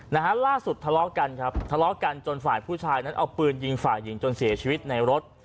นะฮะล่าสุดทะเลาะกันครับทะเลาะกันจนฝ่ายผู้ชายนั้นเอาปืนยิงฝ่ายหญิงจนเสียชีวิตในรถ